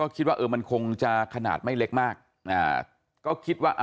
คิดว่ามันคงจะขนาดไม่เล็กมาก